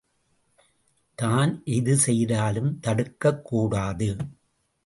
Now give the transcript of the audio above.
தான் எது செய்தாலும் தடுக்கக்கூடாது.